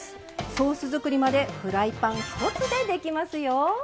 ソース作りまでフライパン１つでできますよ。